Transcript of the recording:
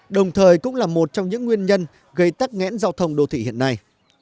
đồng thời cũng là một trong những nguyên nhân gây tắt ngẽn giao thông đô thị hiện nay